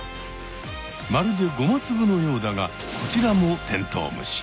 まるでゴマつぶのようだがこちらもテントウムシ。